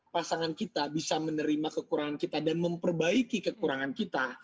pasangan kita bisa menerima kekurangan kita dan memperbaiki kekurangan kita